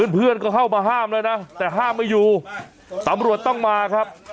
เพื่อนก็เข้ามาห้ามแล้วนะแต่ห้ามไม่อยู่ตำรวจต้องมาครับ